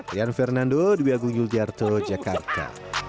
rian fernando di biagung yuljarto jakarta